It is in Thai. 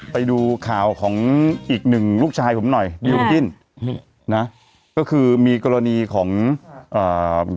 ไปดูข่าวของอีกหนึ่งลูกชายผมหน่อยดิวกิ้นนี่นะก็คือมีกรณีของอ่า